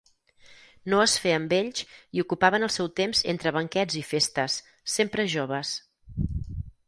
No es feien vells i ocupaven el seu temps entre banquets i festes, sempre joves.